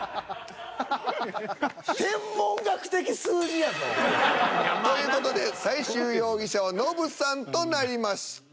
天文学的数字やぞ。という事で最終容疑者はノブさんとなりました。